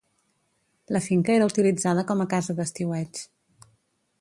La finca era utilitzada com a casa d'estiueig.